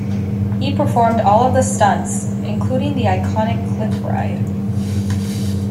He performed all of the stunts, including the iconic cliff ride.